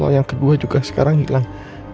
yang kedua juga sekarang hilang